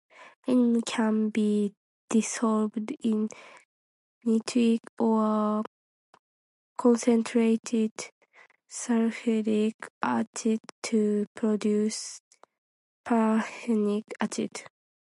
Rhenium can be dissolved in nitric or concentrated sulfuric acid to produce perrhenic acid.